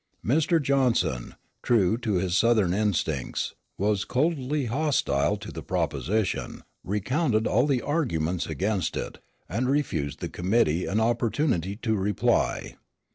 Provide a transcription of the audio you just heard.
Mr. Johnson, true to his Southern instincts, was coldly hostile to the proposition, recounted all the arguments against it, and refused the committee an opportunity to reply.